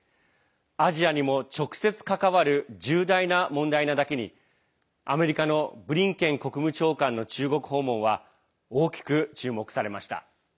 アジアにも直接関わる重大な問題なだけにアメリカのブリンケン国務長官の中国訪問は大きく注目されました。